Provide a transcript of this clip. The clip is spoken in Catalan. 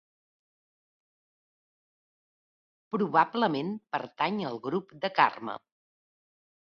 Probablement pertany al grup de Carme.